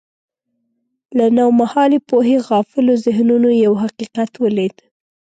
له نومهالې پوهې غافلو ذهنونو یو حقیقت ولید.